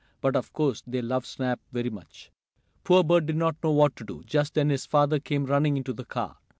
But of course they loved Snap very much. Poor Bert did not know what to do. Just then his father came running into the car.